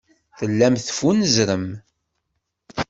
Tellam teffunzrem.